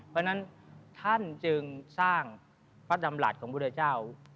เพราะฉะนั้นท่านจึงสร้างพระดำรัฐของพุทธเจ้า